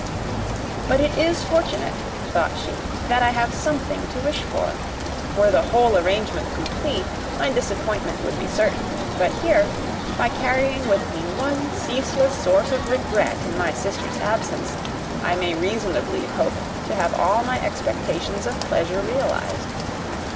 "But it is fortunate," thought she, "that I have something to wish for. Were the whole arrangement complete, my disappointment would be certain. But here, by carrying with me one ceaseless source of regret in my sister's absence, I may reasonably hope to have all my expectations of pleasure realized.